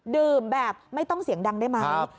ดื่มแบบไม่ต้องเสียงดังได้ไหม